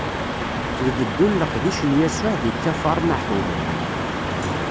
D beddu n leqdic n Yasuɛ di Kafar Naḥum.